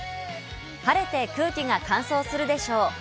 晴れて空気が乾燥するでしょう。